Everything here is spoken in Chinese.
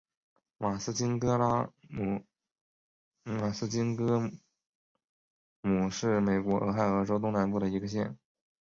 马斯金格姆县是美国俄亥俄州东南部的一个县。